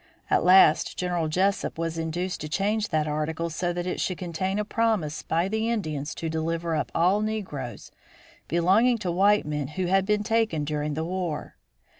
At last General Jesup was induced to change that article so that it should contain a promise by the Indians to deliver up all negroes, belonging to white men who had been taken during the war.